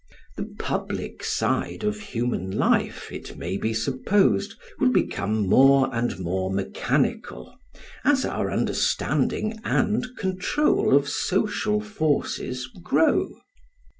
The public side of human life, it may be supposed, will become more and more mechanical, as our understanding and control of social forces grow.